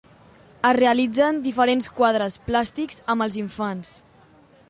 Es realitzen diferents quadres plàstics amb els infants.